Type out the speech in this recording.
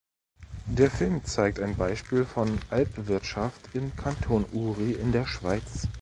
Der Film zeigt ein Beispiel von Alpwirtschaft im Kanton Uri in der Schweiz.